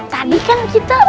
tadi kan kita